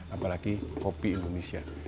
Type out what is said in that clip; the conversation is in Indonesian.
apalagi kopi indonesia